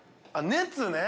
◆熱ね。